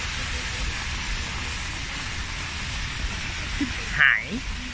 โปรดติดตามตอนต่อไป